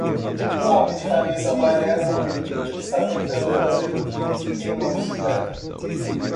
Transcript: Um homem de camisa amarela está tentando fazer um truque em uma bicicleta.